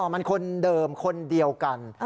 มันคนเดิมคนเดียวกัน